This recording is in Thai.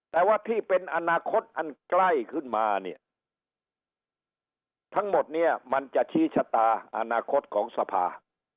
แต่ว่าที่เป็นอนาคตอันใกล้ขึ้นมาเนี่ยทั้งหมดเนี่ยมันจะชี้ชะตาอนาคตของสภา